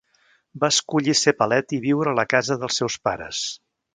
Va escollir ser paleta i viure a la casa dels seus pares.